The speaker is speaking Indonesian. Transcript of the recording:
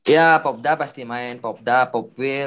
ya pop da pasti main pop da pop wheel